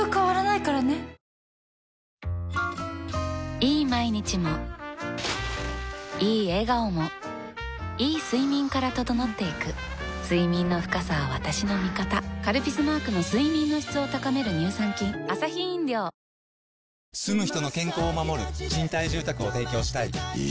いい毎日もいい笑顔もいい睡眠から整っていく睡眠の深さは私の味方「カルピス」マークの睡眠の質を高める乳酸菌いくつになっても新しくなれるんだ